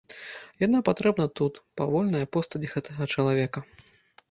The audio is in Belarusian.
Яна патрэбна тут, павольная постаць гэтага чалавека.